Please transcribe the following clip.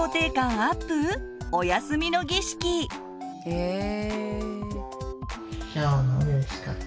へえ。